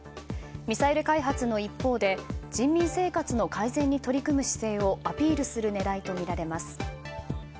ミサイル開発の一方で人民生活の改善に取り組む姿勢をアピールする狙いとみられます。